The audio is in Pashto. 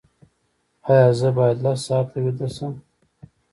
ایا زه باید لس ساعته ویده شم؟